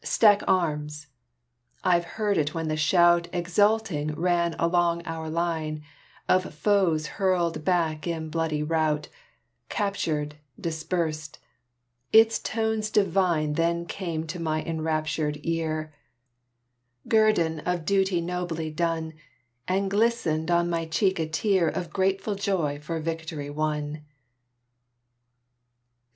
"Stack Arms!" I've heard it when the shout Exulting ran along our line, Of foes hurled back in bloody rout, Captured, dispersed; its tones divine Then came to mine enraptured ear, Guerdon of duty nobly done, And glistened on my cheek the tear Of grateful joy for victory won.